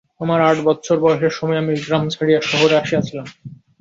আমার আটবৎসর বয়সের সময় আমি গ্রাম ছাড়িয়া শহরে আসিয়াছিলাম।